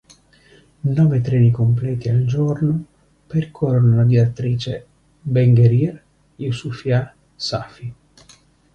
Nove treni completi al giorno percorrono la direttrice Benguerir–Youssoufia–Safi.